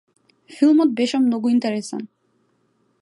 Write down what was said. Филмот беше многу интересен.